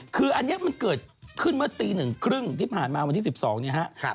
คืออันนี้มันเกิดขึ้นเมื่อตีหนึ่งครึ่งที่ผ่านมาวันที่๑๒เนี่ยครับ